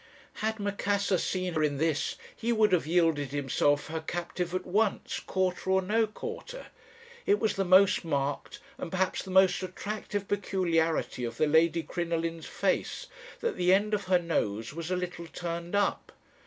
Had Macassar seen her in this he would have yielded himself her captive at once, quarter or no quarter. It was the most marked, and perhaps the most attractive peculiarity of the Lady Crinoline's face, that the end of her nose was a little turned up.